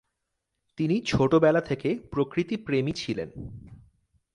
তিনি ছোটবেলা থেকে প্রকৃতি-প্রেমী ছিলেন।